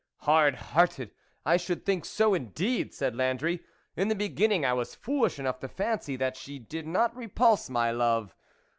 " Hard hearted ! I should think so indeed !" said Landry. " In the begin ning, I was foolish enough to fancy that she did not repulse my love